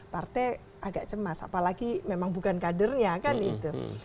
partai agak cemas apalagi memang bukan kadernya kan itu